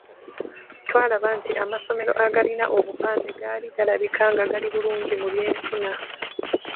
Twalaba nti amasomero agalina obupande gaali galabika nga gali bulungi mu byenfuna.